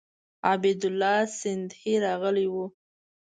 عبیدالله سیندهی راغلی وو.